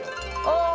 ああ。